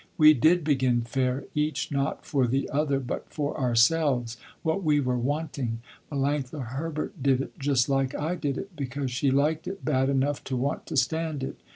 We did begin fair, each not for the other but for ourselves, what we were wanting. Melanctha Herbert did it just like I did it, because she liked it bad enough to want to stand it.